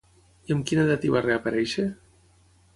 I amb quina edat hi va reaparèixer?